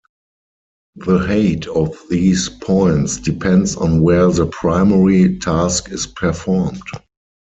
The height of these points depends on where the primary task is performed.